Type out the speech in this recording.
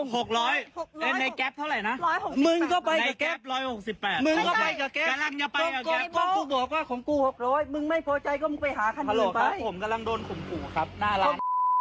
ผมกำลังโดนคุ้มครับหน้าร้าน